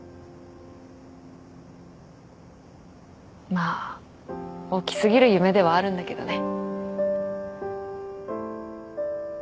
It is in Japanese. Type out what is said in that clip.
まあ大きすぎる夢ではあるんだけどね。